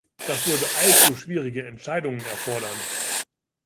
Das würde allzu schwierige Entscheidungen erfordern.